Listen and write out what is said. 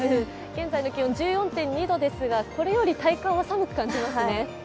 現在の気温１４．２度ですが、これより体感は寒く感じますね。